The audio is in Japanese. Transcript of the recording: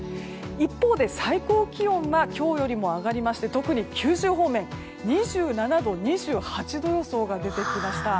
一方で最高気温は今日よりも上がりまして特に九州方面２７度、２８度予想が出てきました。